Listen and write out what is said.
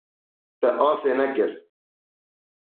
Te asê nekir.